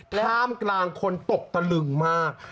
ท่ามกลางคนตกตะลึงมาก